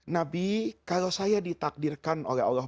nabi kalau saya ditakdirkan oleh allah